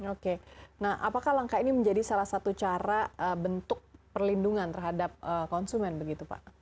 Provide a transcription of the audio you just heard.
oke nah apakah langkah ini menjadi salah satu cara bentuk perlindungan terhadap konsumen begitu pak